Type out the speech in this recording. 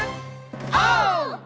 オー！